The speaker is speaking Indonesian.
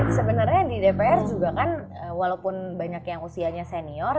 sebenarnya di dpr juga kan walaupun banyak yang usianya senior